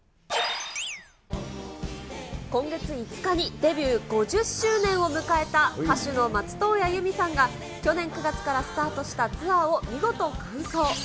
今月５日にデビュー５０周年を迎えた歌手の松任谷由実さんが、去年９月からスタートしたツアーを見事完走。